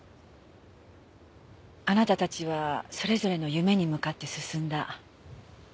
あなたたちはそれぞれの夢に向かって進んだ。